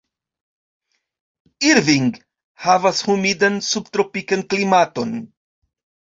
Irving havas humidan subtropikan klimaton.